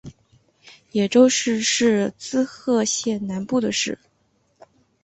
野洲市是滋贺县南部的市。